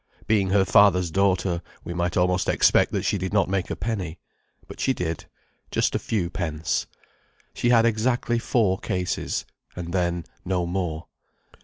Being her father's daughter, we might almost expect that she did not make a penny. But she did—just a few pence. She had exactly four cases—and then no more.